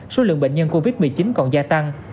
số lượng bệnh nhân covid một mươi chín còn gia tăng